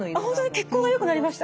血行がよくなりました？